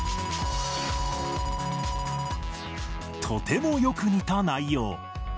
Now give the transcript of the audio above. とてもよく似た内容